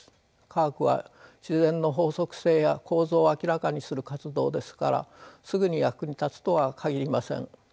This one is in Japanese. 科学は自然の法則性や構造を明らかにする活動ですからすぐに役に立つとは限りません。